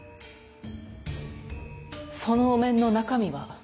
そのお面の中身は？